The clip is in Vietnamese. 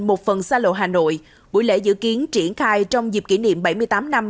một phần xa lộ hà nội buổi lễ dự kiến triển khai trong dịp kỷ niệm bảy mươi tám năm